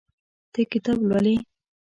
ته کتاب لولې.